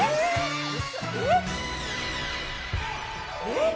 えっ！